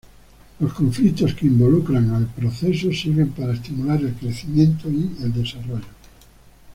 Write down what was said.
Los conflictos que involucran el proceso sirven para estimular el crecimiento y el desarrollo.